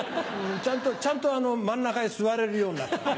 ちゃんと真ん中へ座れるようになった。